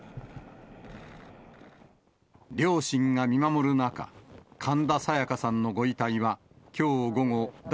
両親が見守る中、神田沙也加さんのご遺体はきょう午後、だ